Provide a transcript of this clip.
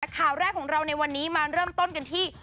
ข่าวแรกของเราในวันนี้มาเริ่มต้นกันที่